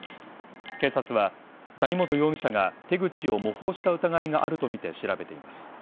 警察は、谷本容疑者が手口を模倣した疑いがあるとみて調べています。